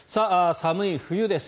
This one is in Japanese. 寒い冬です。